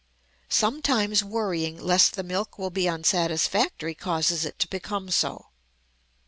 Sometimes worrying lest the milk will be unsatisfactory causes it to become so.